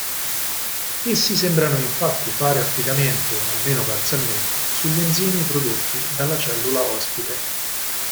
Essi sembrano infatti fare affidamento, almeno parzialmente, sugli enzimi prodotti dalla cellula ospite.